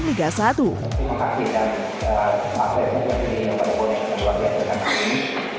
terima kasih dan makasih untuk penyanyi yang berkualitas yang luar biasa